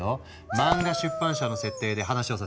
漫画出版社の設定で話をさせてね。